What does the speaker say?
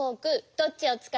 どっちをつかう？